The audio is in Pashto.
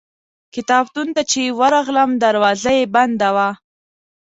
کتابتون ته چې ورغلم دروازه یې بنده وه.